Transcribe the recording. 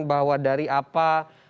bahwa dari apa